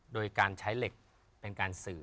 โดยการใช้เหล็กเป็นการสื่อ